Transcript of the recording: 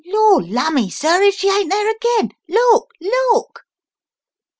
Lor lumme, sir, if she ain't there again! Look! Look!"